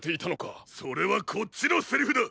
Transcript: それはこっちのセリフだ！